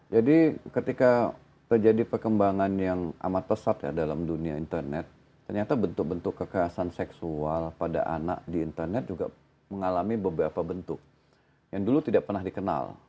jadi ketika terjadi perkembangan yang amat pesat ya dalam dunia internet ternyata bentuk bentuk kekerasan seksual pada anak di internet juga mengalami beberapa bentuk yang dulu tidak pernah dikenal